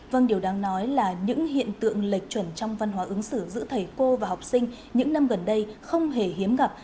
vâng điều đáng nói là những hiện tượng lệch chuẩn trong văn hóa ứng xử giữa thầy cô và học sinh những năm gần đây không hề hiếm gặp